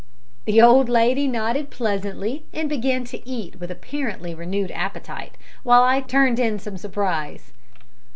The old lady nodded pleasantly, and began to eat with apparently renewed appetite, while I turned in some surprise.